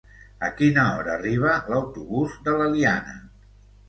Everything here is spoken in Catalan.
A quina hora arriba l'autobús de l'Eliana?